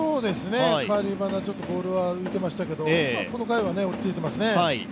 変わりばな、ちょっとボールは浮いてましたけどこの回は落ち着いてますね。